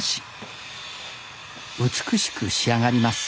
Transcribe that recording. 美しく仕上がります